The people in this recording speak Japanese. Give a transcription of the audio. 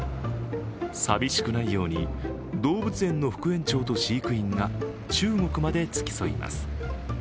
寂しくないように、動物園の副園長と飼育員が中国まで付き添います。